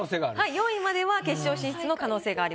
４位までは決勝進出の可能性があります。